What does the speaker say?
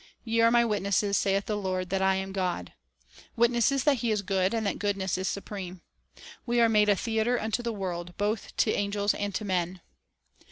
"Ye are My witnesses, saith the Lord, that I am God,"* — witnesses that He is good, and that goodness is supreme. " We are made a theater unto the world, both 3 to angels and to men."